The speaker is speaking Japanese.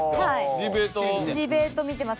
ディベート見てます。